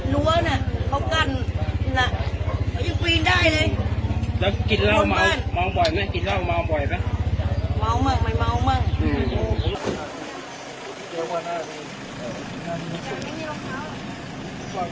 รั้วน่ะเขากันน่ะได้เลยแล้วกินเหล้าเมาเมาบ่อยไหม